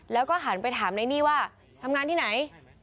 แล้วก็หันไปถามนายนี่ว่าทำงานที่ไหน